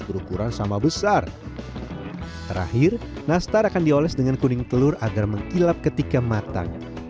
berukuran sama besar terakhir nastar akan dioles dengan kuning telur agar mengkilap ketika matang